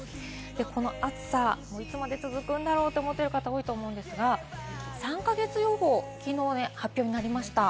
この暑さ、いつまで続くんだろうと思っている方多いと思いますが、３か月予報、きのう発表になりました。